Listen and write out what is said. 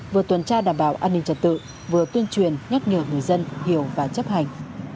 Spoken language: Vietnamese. vừa tuần tra đảm bảo an ninh trật tự vừa tuyên truyền nhắc nhở người dân hiểu và chấp hành